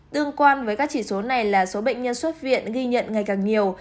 tương quan với các chỉ số này là số bệnh nhân xuất viện ghi nhận ngày càng nhiều